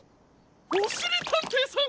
おしりたんていさん！